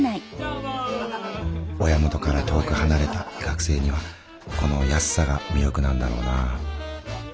親元から遠く離れた学生にはこの安さが魅力なんだろうな。